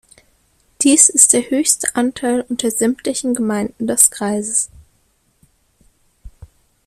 Dies ist der höchste Anteil unter sämtlichen Gemeinden des Kreises.